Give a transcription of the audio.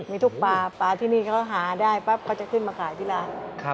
มีทุกปลาปลาที่นี่เขาหาได้ปั๊บเขาจะขึ้นมาขายที่ร้าน